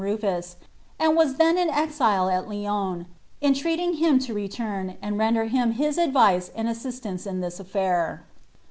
Williun RDfus, and was then in exile at Lyons, entreating him U remm. nnd render him his adiice atrd assistanpe in thin nffcir.